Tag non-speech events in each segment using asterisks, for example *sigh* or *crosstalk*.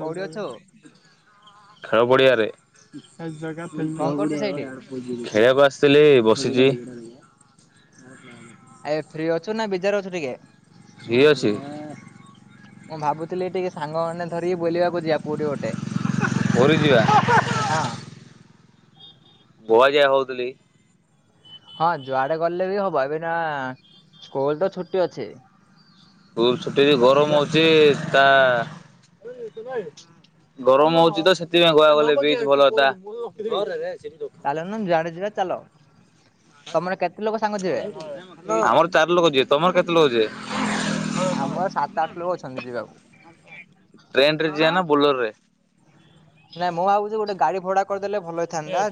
କୋଉଠି ଅଛୁ? ଖେଳ ପଡିଆ ରେ, ଜଉ ଆଡ ପି କଣ କରୁଛୁ ସେଇଠି? *inaudible* ଖେଳିବାକୁ ଆସିଥିଲି ବସିଛି। ଏ ଫ୍ରୀ ଅଛୁ ନା ବିଜାର ଅଛୁ ଟିକେ ଫ୍ରୀ ଅଛି ମୁଁ ଭାବୁଥିଲି ଟିକେ ସାଙ୍ଗମାନେ ଧରିକି ବୁଲିବାକୁ ଯିବା ପୁରୀ ଗୋଟେ ପୁରିଯିବା। ହଁ ବୁଆ ଯା ହଉଥିଲି ହଁ ଯୁଆଡେ ଗଲେ ବି ହବ ଏବେ ନା ସ୍କୁଲ ତ ଛୁଟି ଅଛି। ସ୍କୁଲ ଛୁଟିରେ ଗରମ ଅଛି ତା ଗରମ ହଉଛି ତ ସେଥିପାଇଁ ଗୁଆ ଗଲେ ବିଚ ଭଲ ଚାଲ ଜୁଆଡେ ଯିବା ଚାଲ। ତମର କେତେ ଲୋକ ସାଙ୍ଗ ଥିବେ। ଆମର ଚାରି ଲୋକ ଯିବେ ତମର କେତେ ଲୋକ ଯିବେ। ଆମର ସାତ ଆଠ ଲୋକ ଅଛନ୍ତି ଯିବାକୁ। ଟ୍ରେନ ରେ ଯିବା ନା ବୋଲେୋର ରେ। ନାଇଁ ମୁଁ ଭାବୁଛି ଗୋଟେ ଗାଡି ଭଡା କରିଦେଲେ ଭଲ ହେଇଥାନ୍ତା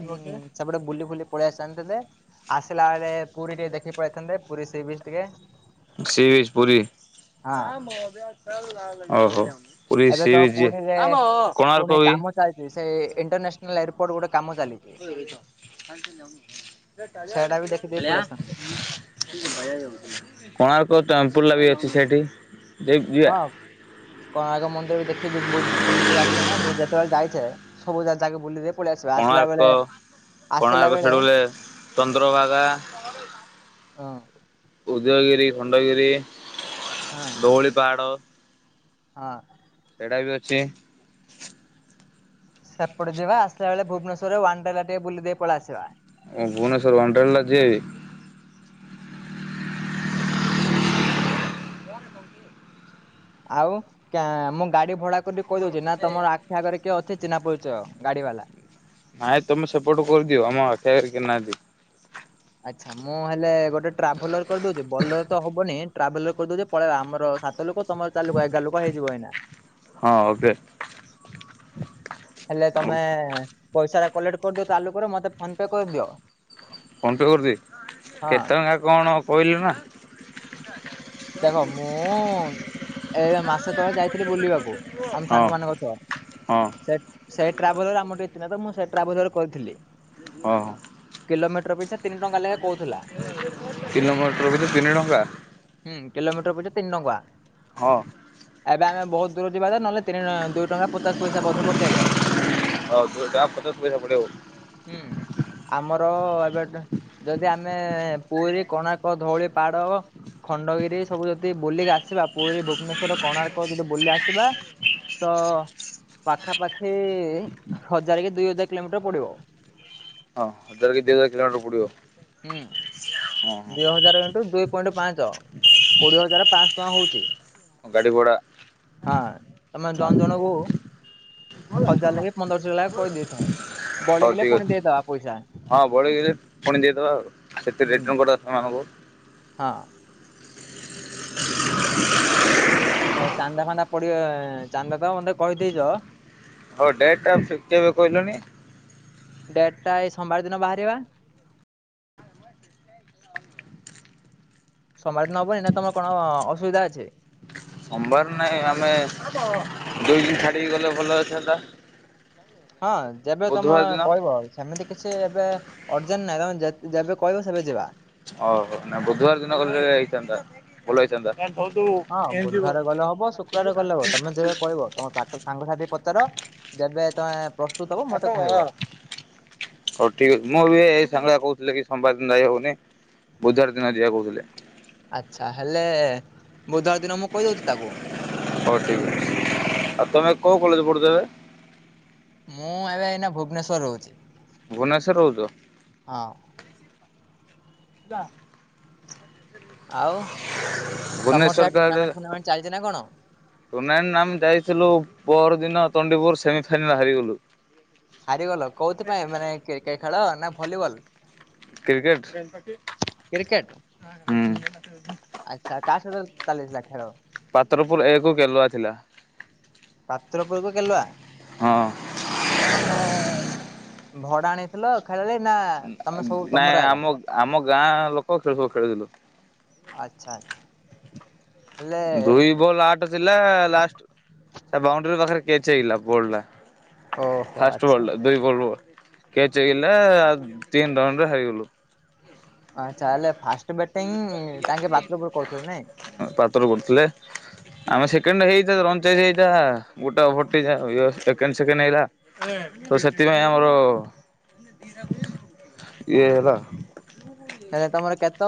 ସେପଟେ ବୁଲି ଫୁଲି ପଳେଇଆସ। ଜଣିନ୍ତେ ଆସିଲା ବେଳେ ପୁରୀ ଟିକେ ଦେଖି ପଳେଇଥାନ୍ତେ ପୁରୀ ସିବିଚ ବି ଟିକେ ସେ ଯାଇଚି ପୁରି ହଁ ଓହୋ। ପୁରୀ ଏବେ ସି ତ ବିଚ୍ ଯିବା ପୁଣିରେ କୋଣାର୍କ ପୁଣି ବି କାମ ଚାଲିଛି ସେ ଇଣ୍ଟରନ୍ୟାସନାଲ ଏୟାରପୋର୍ଟ ଗୋଟେ। କାମ ଚାଲିଛି। ସେଇଟା ବି ଦେଖିଦେଇ ପଳେଇ ଆସିଥାନ୍ତେ। ଭଆ *inaudible* କୋଣାର୍କ ଟେମ୍ପୁଲ ଲାଗି ଅଛି ସେଠି। ଯିବା ହଁ କୋଣାର୍କ ମନ୍ଦିର ବି ଦେଖିକି ବୁଲି ବିି ଆସିବେ ନା ଯେତେବେଳେ ଯାଇଛେ ସବୁ ଜାଗ ଯକେ ବୁଲିଦ ପଳେଇ ଆସିବ ଆସିଲା କୋଣାର୍କ ବେଳେ ଆସିଲା କୋଣାର୍କ ବେଳେ ଛେଡ଼ୁ ବଲେ ଚନ୍ଦ୍ରଭାଗା ହଁ ଉଦୟଗିରି ଖଣ୍ଡଗିରି ହଁ ଧୌଳିପାଡହାଡ଼। ହଁ ସେଇଟା ବି ଅଛି। ସେପଟେ ଯିବା ଆସିଲା ବେଳେ ଭୁବନେଶ୍ୱର ରେ ୱାନ୍ଟାଲା ଟିକେ ବୁଲି ଦେଇ ପଳେଇ ଆସିବା। ଓ ଭୁବନେଶ୍ୱଵର ହଣ୍ଡ୍ରେଡ଼ ଜିଆକି? ହଁ ଆଉ ମୁଁ ଗାଡି ଭଡା କରିକି କହି ଦଉଛି ନା ତମର ଆଖି ଆଗରେ କିଏ ଅଛି? ଚିନା ପଛ ଗାଡି ବାଲା ନାଇଁ ତମେ ସେପୋଟ କରିଦିଅ ଆମ ଆଖି କରିକି ନାହାନ୍ତି। ଆଛା ମୁଁ ହେଲେ ଗୋଟେ ଟ୍ରାଭେଲର କରିଦଉଛି ବଲର ତ ହବନି। ଟ୍ରାଭେଲ କରିଦୋଉ ପଳେଇ ଆମର ତ ଲୋକ ତମର ଚାଲୁୋକ ଏଗାର ଲୋକ ହେଇଯିବ ଏଇନା। ହଁ ଓକେ ହେଲେ ତମେ ପଇସା ଟା କଲେକ୍ଟ କରିଦିଅ ତାଲୁକରେ ମତେ ଫୋନ ପେ କରିଦିଅ। ଫୋନ୍ ପେ କରିଦେବି ହଁ କେତେ ଟଙ୍କା କଣ କହିଲ ନା। ଦେଖ ମୁଁ, ଏବେ ମାସେ ତଳେ ଯାଇଥିଲି ବୁଲିବାକୁ ଆମ ହଁ ସାଙ୍ଗମାନାନଙ୍କ ସହ। ହଁ ହଁ। ସେ ସେଇ ଟ୍ରାେବୁଲାରେ ଆମର ତିକେଥିତ ମୁଁ ସେ ଟ୍ରାଭେଲର କରିଥିଲି। ହଁ ହଁ। କିଲୋ ମିଟର ପି ପିଛା ତିନ ଟଙ୍କାା ଲେଖା କହୁଥିଲା। କିଲୋ ମୋଟର ଭିତ ତିନି ଟଙ୍କା। କିଲୋମିଟର ପିଛା ତିନି ଟଙ୍କା। ହଁ। ଏବେ ଆମେ ବହୁତ ଦୂର ଯିବା ତ ନହେଲେ ତିନି ଦୁଇ ଟଙ୍କା ପଚାଶ ପଇସା ମଧ୍ୟ ପକେଇବ। ପଚାସ ପଇସେ ପଡ଼ିବ ଆ ଉ। ହୁଁ ଆମର ଏବେ ଯଦି ଆମେ ପୁରୀ କଣାର୍କ ଧଉଳି ପାଡହବ ଖଣ୍ଡଗିରି ସବୁ ଯଦି ବୁଲିକି ଆସିବା ପୁରୀ ଭୁବନେଶ ର କୋଣାର୍କ ଯଦି ବୁଲ ଆସିବା ତ ପାଖାପାଖି ହଜାର କି ଦୁଇ ହଜାର କିଲୋମିଟର ପଡିବ। ହଁ ହଜାରେ କି ଦିଇ ହଜାରେ କିଲୋମିଟର ପୁଡିବ। ହୁଁ। ଦିଇ ହଜାର ଇଣ୍ଟୁ ଦୁଇ ପଏଣ୍ଟ ପାଞ୍ଚ କୋଡିଏ ହଜାର ପାଂଶ ଟଙ୍କା ହୋଉଚି। ଗାଡି ଘୋଡ଼ା *inaudible* *unintelligible* ତମେ ଜଣ ଜଣଙ୍କୁ ହଜାର ଲେଖେ ପନ୍ଦରଶହ ଲେଖା କରିଦେଇଥାଅ। ହୋଉ ବଳିଗଲେ ଠିକ ପୁଣି ଅଛି। ଦେଇଦବା ପଇସା ହଁ ବଳେଇଦେ ପୁଣି ଯ ତ ହୁଁ *unintelligible* ମାନଙ୍କୁ ହଁ। ଏ ଚାନ୍ଦା ଫାନ୍ଦା ପଡିବ ଚାନ୍ଦା ତ ମତେ କହିଦେଇଚ ହୋଉ ଡେଟ୍ ଟା କେବେ କହିଲନି? ଡେଟଟା ଏଇ ସୋମବାର ଦିନ ବାହାରିବା ସମମାଜ ନ ହବ ତମର କଣ ଅ ଅସୁବିଧା ଅଛି ସମ୍ବାର ନାଇଁ ଆମେ ଦୁଇ ଦିନ ଛାଡିକି ଗଲେ ଭଲ ହେଇଥାନ୍ତା। ହଁ ଯେବେ ତମେ ବୁଧବାର ଦିନ କହିବ ସେମିତି କିଛି ଏବେ ଅର୍ଜେନ ନାଇଁ ତମେ ଯେ ଯେବେ କହିବ ସେବେ ଯିବା। ଓହୋ ନା ବୁଧବାର ଦିନ କଲେ ହେଇଥାନ୍ତା ଭଲ ହେଇଥାନ୍ତା। ହଉ ଠିକ ହଁ ବୁଧବାର ଗଲେ ହବ ଶୁକ୍ରବାର ଗଲେ ହବ ତମେ ଯେବେ କହିବ ତମ ସାଙ୍ଗସାଥିୀ ପଚାର ଯେବେ ତମେ ପ୍ରସ୍ତୁତ ହବ *unintelligible* ଆ ମତେ ହୋଉ କହିବ। ଠିକ୍ ଅଛି ମୁଁ ଏବେ ଏ ସାଙ୍ଗଆ କହୁଥିଲେ କି ସମ୍ବାଦ ଦିନ ଯାଇହବନି ବୁଧୁବାର ଦିନ ଯଆ କହୁଥିଲେ ଆଛା ହେଲେ ବୁଧବାର ଦିନ ମୁଁ କହିଦୋଉଚି ତାକୁ ହୋଉ ଠିକ ଅଛି ଆଉ ତମେ କୋଉ କଲେଜ ପଢୁଚ ଯେ ମୁଁ ଏବେ ଏଇନା ଭୁବନେଶ୍ଵର ରୋହୁଛି। ଭୁବନେଶ୍ୱରରେ ରୋହୁଚ ଦା ଆଉ। ତମର ସେଆ ଭୁବନେଶ୍ୱର ଟୁର୍ଣ୍ଣାମେଣ୍ଟ ଫୁର୍ଣ୍ଣାମେଣ୍ଟ ଚାଲିଛି ନା କଣ? *unintelligible* ଟୁନଭାଇଁ ନା ଆମେ ଯାଇଥିଲୁ ପହର ଦିନ ତଣ୍ଡିପୁର ସେମି ଫାଇନାଲରେ ହାରିଗଲୁ। ହାରିଗଲ କୋଉଥିପାଇଁ ମାନେ ଖେଳ ନା ଭଲିବଲ କ୍ରିକେଟ କ୍ରିକେଟ। ହୁଁ। ଆଚ୍ଛା କାହା ସହିତ ଚାଲିଥିଲା ଖେଳ? ପାତ୍ରପୁର ଏକ ବୁଲୁଆ ଥିଲା। ପାତ୍ରପୁରକୁ କେଲୁଆ ହଁ। ତମେ ଭଡା ଆଣିଥିଲ ଖେଳାଳି ନା ତମେ ସବୁ ତମର ନାଇଁ ଆଗା? ଆମ ଆମ ଗାଁ ଲୋକ ଖେଳୁୁ ଖେଳୁଥିଲୁ। ଆଛା ଆଛା। ଦୁଇ ବୋଲ ଆଟ ଥିଲା ଲାଷ୍ଟ ବାଉଣ୍ଡ୍ରି ପାଖରେ କେଚ ହେଇଗଲା ବୋଲଟା ଓହୋ ଫାଷ୍ଟ ଆଚ୍ଛା। ବଲ ଟା ଦୁଇ ବଲ୍ କେଚ ହେଇଗଲା ଆଉ ତିନ ରନ୍ ରେ ହାରିଗଲୁ। ଆ ଚାହାଲେ ଫାଷ୍ଟ ନାଇଁ? ପାତ୍ରପୁରୁ ଥିଲେ। ଆମେ ସେକେଣ୍ଡ ହେଇଚୁ ରନ୍ ଚେଞ୍ଜ ହେଇ ଯାହା *unintelligible* ସେକେଣ୍ଡ ସେକେଣ୍ଡ ହେଇ ତ ସେଥିପାଇଁ ଆମର ଇଏ ହେଲା ହେଲେ ତମର କେତ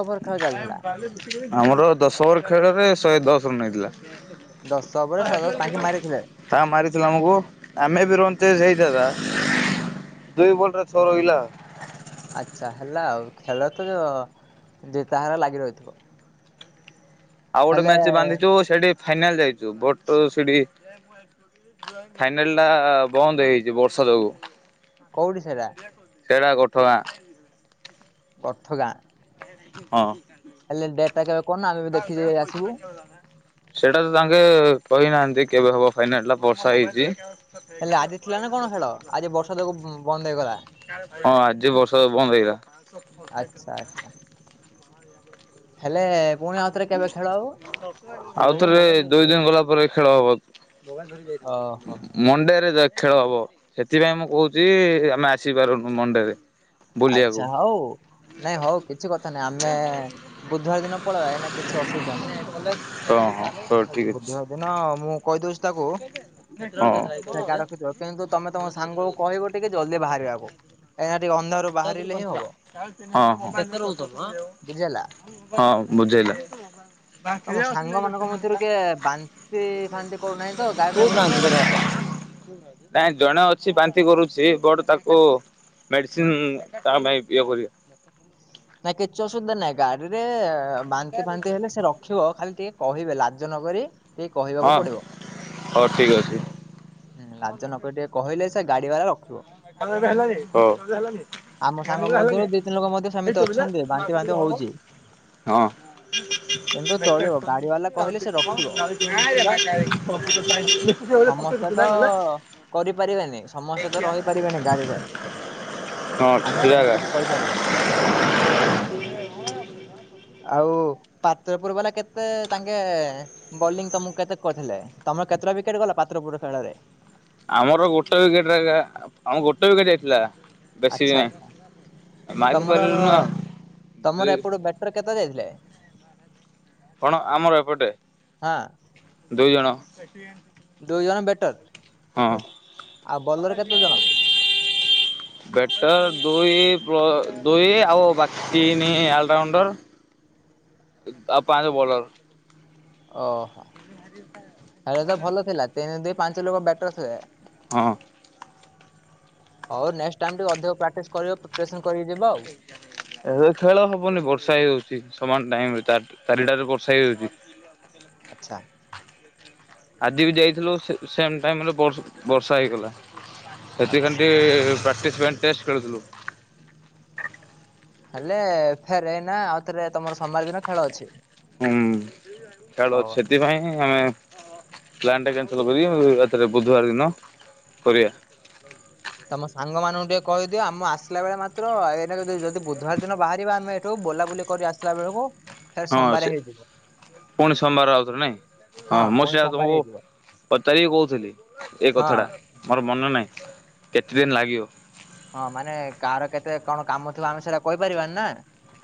ଆମର ଦଶ ଓଭର ଖେଳରେ ଶହେ ଦଶ ରନ ହେଇଥିଲା। ଦଶ ଶହେ ଦଶ ତାଙ୍କେ ମାରିଥିଲେ? ତ ମାରିଥିଲ ଆମକୁ ଆମେ ବି ରନ୍ ଚେଞ୍ଜ ହେଇଥାନ୍ତା ଦୁଇ ବୋଲରେ ଛ ରହିଲା। ଆଚ୍ଛା ହେଲା ଆଉ ଖେଳ ତ ଯ ଜିତ୍ ହାର୍ ଲାଗି ରହିଥିବ। ଆଉ ଗୋଟେ ହେଲେ ମ୍ୟାଚ ବାନ୍ଧିଛୁ ସେଠି ଫାଇନାଲ ଯାଇଛୁ। ଭୋଟ ସିଡି ଫାଇନାଲ ଟା ବନ୍ଦ ହେଇଯାଇଛି ବର୍ଷା ଯୋଗୁ। କୋଉଠି ସେଇଟା? ସେରା ଗୋଠ ଗାଁ। ଅର୍ଥଗା? ହଁ। ହେଲେ ଡେଟ ଟା କେବେ କହୁନୁ ଆମେ ଦେଖିକ ଆସିବୁ। ସେଇଟା ତ ତାଙ୍କେ କହିନାହାନ୍ତି କେବେ ହବ ଫାଇନାଲ ଟା ବର୍ଷା ହେଇଛି। ହେଲେ ଆଜି ଥିଲା ନା କଣ ଖେଳ? ଆଜି ବର୍ଷା ଯୋଗୁ ବନ୍ଦ ହେଇଗଲା। ହଁ ଆଜି ବର୍ଷା ବନ୍ଦ୍ ହେଇଗଲା। ଆଚ୍ଛା ଆଚ୍ଛା ହେଲେ ପୁଣି ଆଉଥରେ କେବେ ଖେଳ ହବ? ଆଉଥରେ ଦୁଇ ଦିନ ଗଲା ପରେ ଖେଳ ହବ ଓହୋ ମଣ୍ଡେରେ ଖେଳ ହବ ସେଥିପାଇଁ ମୁଁ କହୁଛି ଆମେ ଆସିପାରୁନୁ ମଣ୍ଡେରେ। ବୁଲିବାକୁ ଆଚ୍ଛା ହଉ ନାଇଁ ହଉ କିଛି କଥା ନାଇଁ ଆମେ ବୁଧବାର ଦିନ ପଲ୍ ଏନା କିଛି ଅସୁବିଧା ନାହିଁ ହଁ ହଁ ହଉ ଠିକ୍ ଅଛି ବୁଧୁବାର ଦିନ ମୁଁ କହିଦଉଛି ତାକୁ ହଁ। ସେଠି ରଖିଥିବ କିନ୍ତୁ ତମେ ତମ ସାଙ୍ଗକୁ କହିବ ଟିକେ ଜଲଦି ବାହାରିବାକୁ। ଏଇନା ଟିକେ ଅନ୍ଧାରୂ ବାହା ହଁ ହଁ ବୁଝିହେଲା। ହଁ ବୁଝେଇଲି। ବାଖ ତମ ଅଛି ନାଇଁ ଗତେ ସାଙ୍ଗମାନଙ୍କ ମଧ୍ୟରୁ ଜତା। କିଏ ବାନ୍ତି ଫାନ୍ତି କରୁନାହିଁ ତ କଉ ଗାଡିରେ ଚାହୁ *unintelligible* ବସିଲେ? କାଇଁ ଜଣେ ଅଛି ବାନ୍ତି ନ୍ତି କରୁଛି ବଟ ତାକୁ ମେଡିସିନ ତା ପାଇଁ ପିଅ କରିବା। ନା କିଛି ଅସୁବିଧା ନାହିଁ ଗାଡିରେ ବାନ୍ତି ଫାନ୍ତି ହେଲେ ସେ ରଖିବ ଖାଲି ଟିକେ କହିବେ ଲାଜ ନ କରି। ଟିକେ କହିବାକୁ ହଁ ପଡିବ। ହଉ ଠିକ ଅଛି। ଲାଜ ନକରି ଟିକେ କହିଲେ ସେ ସେ ଗାଡ଼ି ବାଲା ରଖିବ। ଆମ ସାଙ୍ଗ ମଧ୍ୟରୁ ଦି ତିନି ଲୋକ ମଧ୍ୟ ହଁ। ସେମିତି ଅଛନ୍ତି ବାନ୍ତି ଫାନ୍ତି ହଉଛି। କିନ୍ତୁ ହଁ। ଚଳିବ ଗାଡି ବାଲା କହିଲେ ସେ ରଖିବ *inaudible* ସମସ୍ତେ ତ କରିପାରିବେନି ସମସ୍ତେ ତ ରହିପାରିବେନି ଗାଡ଼ିରେ ହଁ ଆମେ ଠିଆ ହେଗା। ସେମିତି କିଛି କହିପାରିବାନି। ଆଉ ପାତ୍ରପୁର ବାଲା କେତେ ତାଙ୍କେ ବୋଲିଂ ତମକୁ କେତେ କରିଥିଲେ? ତମର କେତେଟା ୱିକେଟ୍ ଗଲା ପାତ୍ରପୁର ଖେଳରେ? ଆମର ଗୋଟେ ୱିକେଟରେ ଏକା ଆମର ଗୋଟେ ୱିକେଟ୍ ଯାଇଥିଲା। ବେଶୀ ବି ଆଚ୍ଛା ଆଚ୍ଛା। ନାହିଁ। ମାରି ତମର ପାରିଲୁନୁ ଆଉ ଦୁଇ ତମର ଏପଟୁ ବ୍ୟାଟର୍ କେତେ ଯାଇଥିଲେ? କଣ ଆମର ଏପଟେ? ହଁ ଦୁଇ ଜଣ। ଦୁଇ ଜଣ ବେଟର। ହଁ, ଜଣ? ବ୍ୟାଟ ଦ ଦୁଇ ପ୍ଲ ଦୁଇ ଆଉ ବାକି ତିନି ଆଲରାଉଣ୍ଡର ଆଉ ପାଞ୍ଚ ବୋଲର୍। ଓହଃ, ତାହାଲେ ତ ଭଲ ଥିଲା ତିନି ଦିଇ ପାଞ୍ଚ ଲୋକ ବ୍ୟାଟର୍ ଥିଲେ ହଁ। ହଉ ନେକ୍ସ୍ ଟାଇମ୍ ଟିକେ ଅଧିକ ପ୍ରାକ୍ଟିସ କରିଇବ ପ୍ରିପାରେସନ୍ କରିକି ଯିବ ଆଉ। ଏବେ ଖେଳ ହବନି ବର୍ଷା ହେଇଯାଉଛି, ସମାନ ଟାଇମରେ ଚାରିଟ ରେ ବର୍ଷା ହେଇଯାଉଛି। ଆଚ୍ଛା। ଆଜି ବି ଯାଇଥିଲୁ ସେମ୍ ଟାଇମ୍ ରେ ବର୍ଷା ବର୍ଷା ହେଇଗଲା *unintelligible* ଆଚ୍ଛା। ପ୍ରାକ୍ଟିସ୍ ପାଇଁ ଟେଷ୍ଟ ଖେଳୁଥିଲୁ। ହେଲେ ଫେର ଏଇନା ଆଉ ଥରେ ତମର ସୋମବାର ଦିନ ଖେଳ ଅଛି। ହୁଁ ଖେଳ ହଉ ଅଛି, ସେଥିପାଇଁ ଆମେ ପ୍ଲାନ୍ ଟା କ୍ୟାନ୍ସେଲ୍ କରି ଆଉ ଥରେ ବୁଧବାର ଦିନ କରିବା। ତମ ସାଙ୍ଗ ମାନଙ୍କୁ ଟିକେ କହିଦିଅ ଆମେ ଆସିଲା ବେଳେ ମାତ୍ର *unintelligible* ଯଦି ବୁଧବାର ଦିନ ବାହାରିବା ଆମେ ଏଠୁ ବୁଲାବୁଲି କରି ଆସିଲା ବେଳକୁ ଫେର ହଁ ସୋମବାର ସେ ହେଇଯିବ। ପୁଣି ସୋମବାର ଆଉଥରେ ନାଇଁ, ହଁ, ମୁଁ ପୁଣି ସେୟା ସୋମବାରେ ତମକୁ ହେଇଯିବ। ପଚାରିକି କହୁଥିଲି, ଏଇ ହଁ କଥା ଟା ମୋର ମନ ନାହିଁ କେତେ ଦିନ ଲାଗିବ? ହଁ ମାନେ କାହାର କେତେ କଣ କାମ ଥିବା ଆମେ ସେଇଟା କହିପାରିବାନି ନା।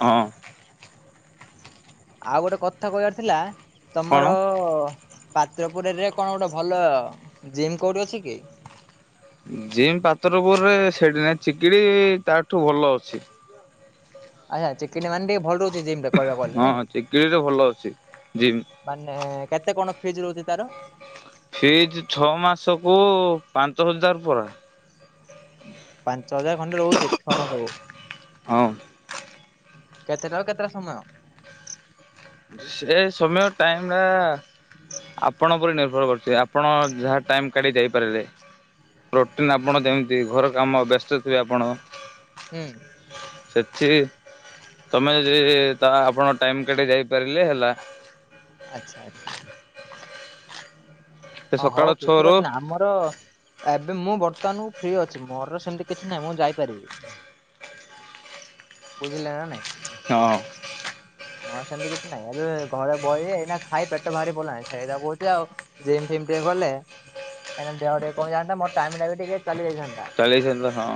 ହଁ। ଆଉ ଗୋଟେ କଥା କହିବାର ଥିଲା କଣ? ତମର ପାତ୍ରପୁରରେ କଣ ଗୋଟେ ଭଲ ଜିମ୍ କୋଉଠି ଅଛି କି? ଜିମ୍ ପାତ୍ରପୁରରେ ସେଠି ନାଇ, ଚିକିଟି ତାଠୁ ଭଲ ଅଛି। ଆଚ୍ଛା, ଚିକଟି ମାନେ ଟିକେ ଭଲ ରହୁଥିବ। ସେ ଜିମଟା କହିବାକୁ ହଁ ଗଲେ, ଚିକିଡ଼ିରେ ଭଲ ଅଛି ଜିମ୍। ମାନେ କେତେ କଣ ଫିସ୍ ରହୁଛି ତାର? ଫିସ୍ ଛଅ ମାସକୁ ପାଞ୍ଚ ହଜାର ପରା ପାଞ୍ଚ ହଜାର ଖଣ୍ଡେ ରହୁଛି ଛଅ ମାସକୁ। ହଁ। କେତେଟା ରୁ କେତେଟା ସମୟ? ସେ ସମୟ ଟାଇମଟା ଆପଣ ଉପରେ ନିର୍ଭର କରୁଛି, ଆପଣ ଯାହା ଟାଇମ୍ କାଢ଼ିକି ଯାଇପାରିଲେ ରୋଟିନ୍ ଆପଣ ଯେମିତି ଘର କାମ ବ୍ୟସ୍ତ ଥିବେ ଆପଣ ହୁଁ ସେଠି ତମେ ଯେ ତା ଆପଣଙ୍କ ଟାଇମ୍ କାଢ଼ିକି ଯାଇପାରିଲେ ହେଲା। ଆଚ୍ଛା ଆଚ୍ଛା। ସେ ହ ସକାଳ ହଉ କିଛି ଛଅରୁ କଥା ନାହିଁ ଆମର ଏବେ ମୁଁ ବର୍ତ୍ତମାନକୁ ଫ୍ରି ଅଛି ମୋରର ସେମତି କିଛି ନାହିଁ ମୁଁ ଯାଇପାରିବି ବୁଝିଲେ ନା ନାଇଁ। ହଁ। ହଁ ସେମିତି କିଛି ନାଇଁ ଏବେ ଘରେ ବ ଏଇନା ଖାଇ ପେଟ ବାହାରି ପଡିଲାଣି ସେଇଟା କହୁଛି ଆଉ ଜିମ୍ ଫିମ୍ ଟିକେ ଗଲେ କାଇ ଦେହ ଟେ କଣ ଯାନ୍ତା ମୋ ଟାଇମ ଲାଗେ ଟିକେ ଚାଲି ଯାଇନ୍ତା ଚାଳିଶ ହେଲା ହଁ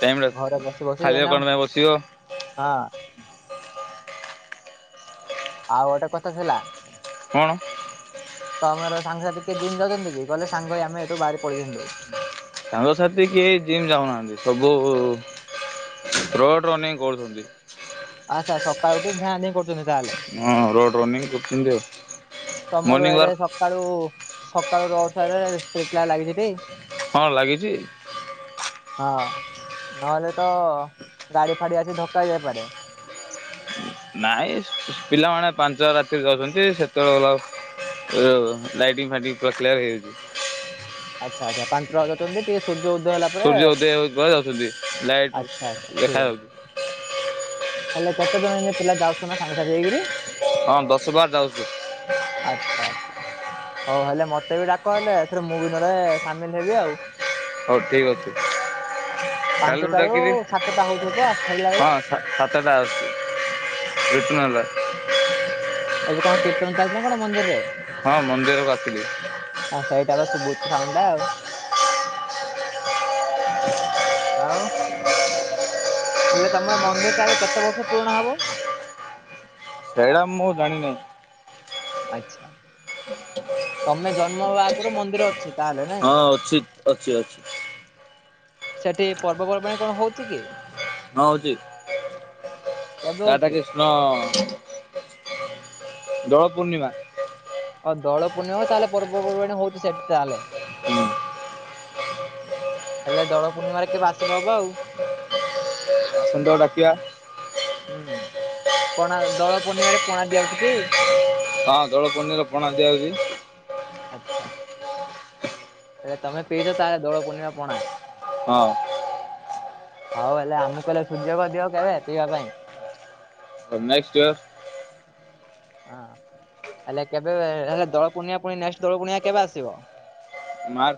ଟାଇମ୍ ଟା ଘରେ ବସି ବସି ଖାଲି ଏନା। କଣ ପାଇଁ ବସିବ ହଁ। ଆଉ ଗଟେ କଥା ହେଲା କଣ ତ ଆମର ସାଙ୍ଗସଥି କିଏ ଜିମ୍ ଯାଉଛନ୍ତି କି? କହିଲେ ସାଙ୍ଗ ହେଇ ଆମେ ଏଠୁ ବାହାରି ପଳେଇଥାନ୍ତୁ। ସାଙ୍ଗସାଥି କିଏ ଜିମ୍ ଯାଉନାହାନ୍ତି ସବୁ ରୋଡ ରନିଂ କରୁଛନ୍ତି। ଆଚ୍ଛା ସକାଳୁ ଉଠି ଧାଁ ଧିଁ କରୁଛନ୍ତି ତାହେଲେ ହଁ ରୋଡ ରନିଂ କରଛନ୍ତି ଆଉ ତମର ମର୍ଣ୍ଣିଂ ଏଡେ ୱାର୍କ ସକାଳୁ ସକାଳୁ *unintelligible* ଲାଗିଛି ଟି। ହଁ ଲାଗିଛି। ହଁ ନହେଲେ ତ ଗାଡି ଫାଡି ଆସି ଧକ୍କା ହେଇ ଯାଇପାରେ। *unintelligible* ନାଇଁ ପିଲାମାନେ ପାଞ୍ଚଟା ରାତିରେ ଯାଉଛନ୍ତି ସେତେବେଳେ ଗଲେ ଆଉ। ଓ ଲାଇଟିଙ୍ଗ ଫାଇଟିଙ୍ଗ ପୁରା *inaudible* ହେଇଯାଉଛି। ଆଚ୍ଛା ଆଚ୍ଛା ପାଞ୍ଚ *unintelligible* ଟିକେ ସୂ ଉଦୟ ହେଲା ପରେ ସୂର୍ଯ୍ୟ ଉଦୟ ହେଉଚି ପରେ ଯାଉଛନ୍ତି ଲାଇଟ୍ ଆଚ୍ଛା ଆଚ୍ଛା ଠିକ ଦେଖାଯାଉଛି। ଅଛି। ହେଲେ କେତେଜଣେ *unintelligible* ପିଲା ଏଇନେ ଯାଉଛ ନା ସାଙ୍ଗ ସାଥି ହେଇକିରି। ହଁ ଦଶ ବାର ଯାଉଛୁ ଆଛା ଆଛା ହଉ ହେଲେ ମ ମୋତେ ବି ଡାକ ହେଲେ ଏଥରେ ମୁଁ ବି ନହେଲେ ସାମିଲ ହେବି ଆଉ। ହଉ ଠିକ ଅଛି। କାଲିକୁ ପାଞ୍ଚଟାରୁ ଡାକିବି ସାତଟା ହଉଥିବ ତ ଫେରିଲା ବେଳେ? ହଁ। *inaudible* ଏବେ କଣ କୀର୍ତ୍ତନ ଚାଲିଛି ନା କଣ ମନ୍ଦିରରେ? ହଁ ମନ୍ଦିରକୁ ଆସିଲି ଆ ସେଇଟା ବା ଶୁ ସାଉଣ୍ଡ ଟା ଆଉ ଆଉ। ହେଲେ ତମର ମନ୍ଦିରଟା ଏବେ କେତେ ବର୍ଷ ପୁରୁଣା ହବ? ସେଇଟା ମୁଁ ଜାଣିନେଇ। ଆଛା ତମେ ଜନ୍ମ ହବା ଆଗରୁ ମନ୍ଦିର ଅଛି। ତାହେଲେ ନାଇଁ? ହଁ ଅଛି ଅଛି ଅଛି। ସେଠି ପର୍ବପର୍ବାଣିୀ କଣ ହଉଛି କି? ହଁ ହଉଚି କେବେ ହଉଛି? ରାଧାକୃଷ୍ଣ ଦୋଳ ପୂର୍ଣ୍ଣିମା। ଆଉ ଦୋଳ ପୂର୍ଣିମା ହଉ ତାହେଲେ ପର୍ବପର୍ବାଣି ହଉଛି ସେଠି ତାହେଲେ। ହୁଁ। ହେଲେ ଦୋଳ ପୂର୍ଣ୍ଣିମାରେ କେବେ ଆସିଲେ ହବ ଆଉ? ହୁଁ *inaudible* ପଣା ଦୋଳ ପୂର୍ଣ୍ଣିମାରେ ପଣା ଦିଆ ହଉଛି ଟି? ହଁ ଦୋଳପୂର୍ଣ୍ଣିମାରେ ପଣା ଦିଆହଉଛି। ସେଇଟା ତମେ ପିଇଛ ତାର ଦୋଳ ପୂର୍ଣିମା ପଣା। ହଁ। ହଉ ହେଲେ ଆମକୁ କହିଲେ ସୁଯୋଗ ଦିଅ କେବେ ପିଇବା ପାଇଁ? *inaudible* ହଁ। ହେଲେ କେବେ ହେଲେ ଦୋଳ ପୂର୍ଣ୍ଣିମା ପୁଣି ନେଷ୍ଟ୍ ଦୋଳ ପୂର୍ଣ୍ଣିମା କେବେ ଆସିବ? ମାର୍ଚ୍ଚ